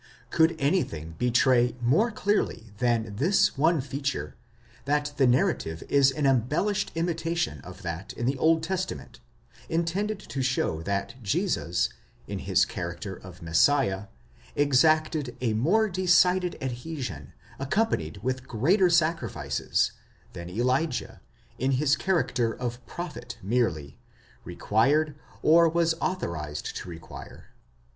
Could anything betray more clearly than this one feature, that the narrative is an embellished imitation of that in the Old Testament intended to show that Jesus, in his character of Messiah, exacted a more decided adhesion, ac companied with greater sacrifices, than Elijah, in his character of Prophet merely, required or was authorized to require??